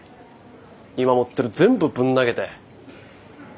今持ってる全部ぶん投げて。